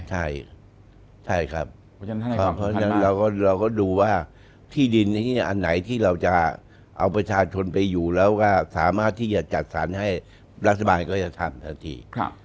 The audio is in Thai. ใช่ใช่ครับเพราะฉะนั้นเราก็ดูว่าที่ดินนี้อันไหนที่เราจะเอาประชาชนไปอยู่แล้วก็สามารถที่จะจัดสรรให้รัฐบาลก็จะทำทันที